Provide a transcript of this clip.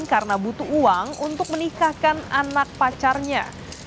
karena butuh uang untuk menikahkan anak pacarnya